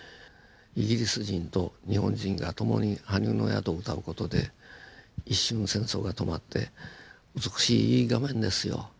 イギリス人と日本人が共に「埴生の宿」を歌う事で一瞬戦争が止まって美しいいい画面ですよ。